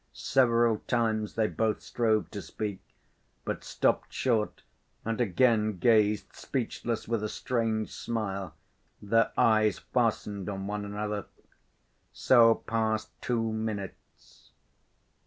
Several times they both strove to speak, but stopped short and again gazed speechless with a strange smile, their eyes fastened on one another. So passed two minutes.